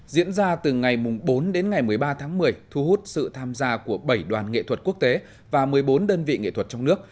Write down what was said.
diễn ra từ ngày bốn đến ngày một mươi ba tháng một mươi thu hút sự tham gia của bảy đoàn nghệ thuật quốc tế và một mươi bốn đơn vị nghệ thuật trong nước